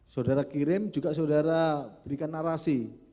saudara kirim juga saudara berikan narasi